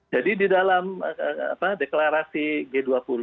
jadi di dalam deklarasi g dua puluh